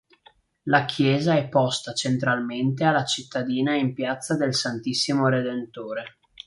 La chiesa è posta centralmente alla cittadina in piazza del Santissimo Redentore.